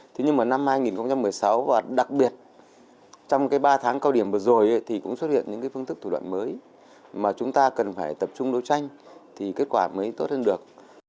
thế nhưng mà năm hai nghìn một mươi sáu và đặc biệt trong ba tháng cao điểm vừa rồi thì cũng xuất hiện những phương thức thủ đoạn mới mà chúng ta cần phải tập trung đấu tranh thì kết quả mới tốt hơn được